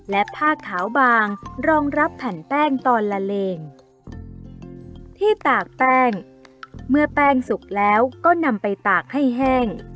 และผ้าขาวบางรองรับแผ่นแป้งตอนละเลงที่ตากแป้งเมื่อแป้งสุกแล้วก็นำไปตากให้แห้ง